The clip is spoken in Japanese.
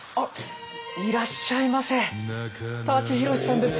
いらっしゃいませ。